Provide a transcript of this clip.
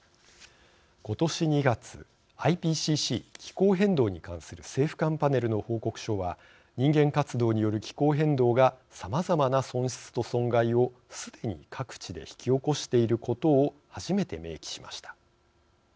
今年２月ＩＰＣＣ＝気候変動に関する政府間パネルの報告書は人間活動による気候変動がさまざまな損失と損害をすでに各地で引き起こしていることを初めて明記しました。